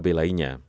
produk kb lainnya